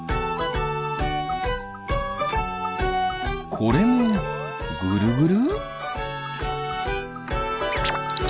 これもぐるぐる？